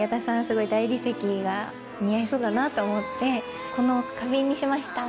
すごい大理石が似合いそうだなと思ってこの花瓶にしました。